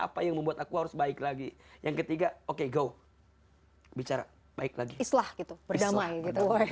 apa yang membuat aku harus baik lagi yang ketiga oke go bicara baik lagi islah gitu berdamai gitu